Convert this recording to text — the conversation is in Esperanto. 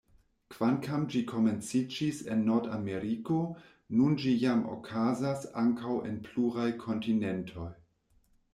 Kvankam ĝi komenciĝis en Nord-Ameriko, nun ĝi jam okazas ankaŭ en pluraj kontinentoj.